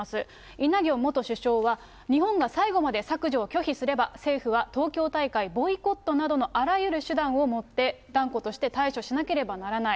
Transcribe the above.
イ・ナギョン元首相は日本が最後まで削除を拒否すれば、政府は東京大会ボイコットなどのあらゆる手段をもって、断固として対処しなければならない。